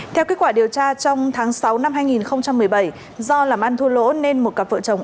theo kết quả điều tra trong tháng sáu năm hai nghìn một mươi bảy do làm ăn thua lỗ nên một cặp vợ chồng